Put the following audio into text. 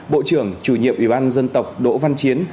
bộ trưởng chủ nhiệm ủy ban dân tộc đỗ văn chiến